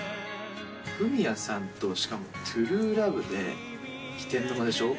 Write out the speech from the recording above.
フミヤさんとしかも「ＴＲＵＥＬＯＶＥ」でしかも飛天の間でしょ。